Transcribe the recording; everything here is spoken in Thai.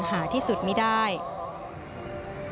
หาที่สุดมิดาย